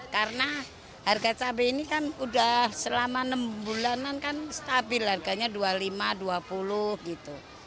karena harga cabai ini kan sudah selama enam bulanan kan stabil harganya rp dua puluh lima rp dua puluh gitu